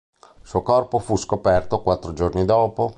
Il suo corpo fu scoperto quattro giorni dopo.